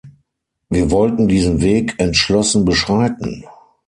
Wir wollten diesen Weg entschlossen beschreiten.